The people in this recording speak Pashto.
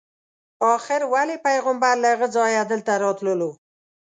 آخر ولې پیغمبر له هغه ځایه دلته راتللو.